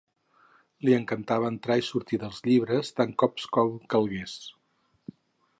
Li encantava entrar i sortir dels llibres tants cops com calgués.